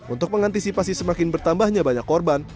untuk mengantisipasi semakin bertambahnya banyak korban